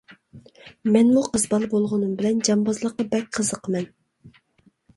مەنمۇ قىز بالا بولغىنىم بىلەن جانبازلىققا بەك قىزىقىمەن.